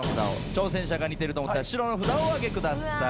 挑戦者が似てると思ったら白の札をお挙げください。